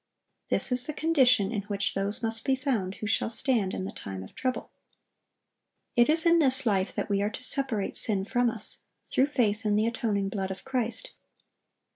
This is the condition in which those must be found who shall stand in the time of trouble. It is in this life that we are to separate sin from us, through faith in the atoning blood of Christ.